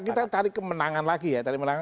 kita cari kemenangan lagi ya cari kemenangan